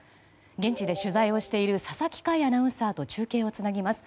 現地で取材をしている佐々木快アナウンサーと中継をつなぎます。